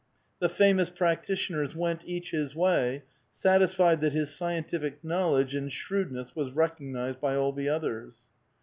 The famous practitioners went each his way, satisfied that his scientific knowledge and shrewd ness was recognized by all the others.